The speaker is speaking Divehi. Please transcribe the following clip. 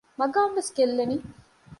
މަގާމް ވެސް ގެއްލެނީ؟